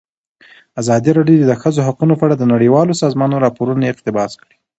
ازادي راډیو د د ښځو حقونه په اړه د نړیوالو سازمانونو راپورونه اقتباس کړي.